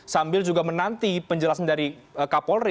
sambil juga menanti penjelasan dari kapolri